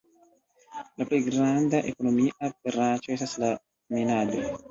La plej granda ekonomia branĉo estas la minado.